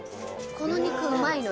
この肉うまいよ。